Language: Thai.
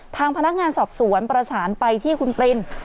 ทางพนักงานสอบสวนประสานไปที่คุณปริน